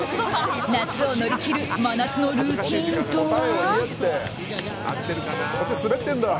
夏を乗り切る真夏のルーティンとは？